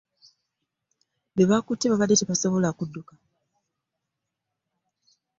Bebaakutte babadde tebasobola kudduka.